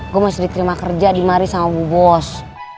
gue masih diterima kerja di mari sama bu bos